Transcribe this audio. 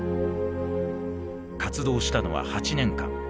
活動したのは８年間。